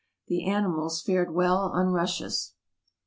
The animals fared well on rushes.